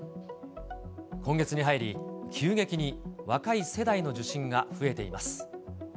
今月に入り、急激に若い世代の受診が増えています。